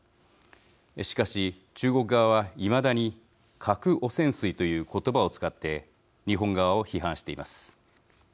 しかし、中国側はいまだに核汚染水という言葉を使って日本側を批判しています。